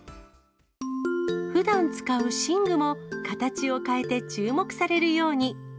ふだん使う寝具も、形を変えて注目されるように。